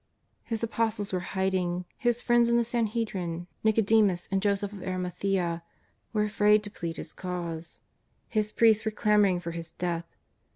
His Apostles were hiding; His friends in the San hedrin, E"icodemus, and Joseph of Arimathea, were afraid to plead His cause ; His priests were clamouring for His death.